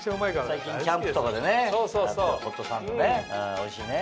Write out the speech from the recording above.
最近キャンプとかでやってるホットサンドおいしいね。